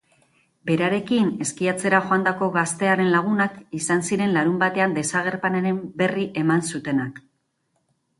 Berarekin eskiatzera joandako gaztearen lagunak izan ziren larunbatean desagerpenaren berri eman zutenak.